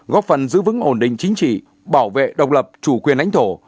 góp phần giữ vững ổn định chính trị bảo vệ độc lập chủ quyền lãnh thổ